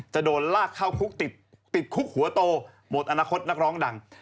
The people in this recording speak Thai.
จะโดนลากเข้าคุกติดคุกหัวโตหมดอนาคตนักร้องดัง